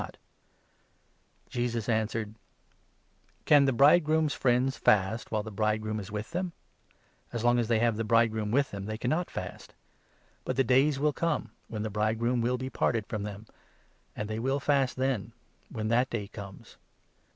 *)* not ?" Jesus answered : 19 "Can the bridegroom's friends fast, while the bridegroom is with them ? As long as they have the bridegroom with them, they cannot fast. But the days will come, when the 20 bridegroom will He parted from them, and they will fast then — when that day comes.